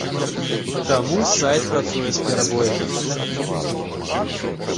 Таму сайт працуе з перабоямі.